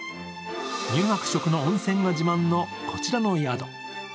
乳白色の温泉が自慢のこちらの宿。